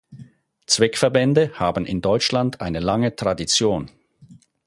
Zweckverbände haben in Deutschland eine lange Tradition.